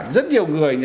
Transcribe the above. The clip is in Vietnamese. rất nhiều người